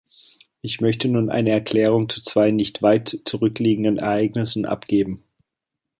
Ich möchte nun eine Erklärung zu zwei nicht weit zurückliegenden Ereignissen abgeben.